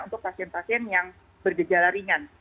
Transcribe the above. untuk pasien pasien yang bergejala ringan